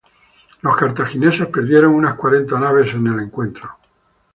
Los cartagineses perdieron unas cuarenta naves en el encuentro.